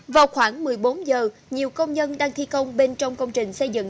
vào khoảng một mươi bốn giờ nhiều công nhân đang thi công bên trong công trình xây dựng